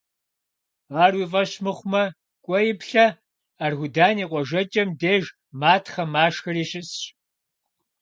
Ар уи фӀэщ мыхъумэ, кӀуэи, плъэ: Аргудан и къуажэкӀэм деж матхъэ-машхэри щысщ.